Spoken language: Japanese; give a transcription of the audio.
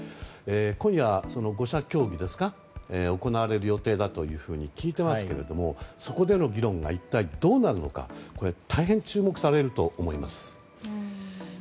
今夜、５者協議が行われる予定だと聞いていますけれどもそこでの議論が一体どうなるのか大変、注目されると思います。